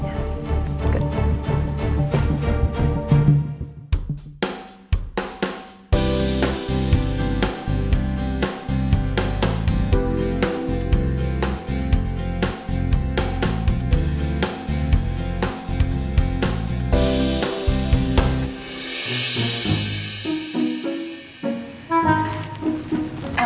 saya akan pergi segera